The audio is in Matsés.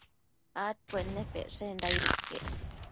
adcuennepecshenda aido iquec